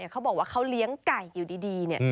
เขาบอกว่าเขาเลี้ยงไก่อยู่ดี